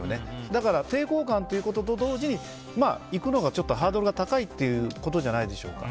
だから抵抗感と同時に行くのがちょっとハードルが高いということじゃないでしょうか。